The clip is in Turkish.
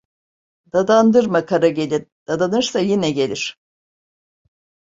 Dadandırma kara gelin, dadanırsa yine gelir.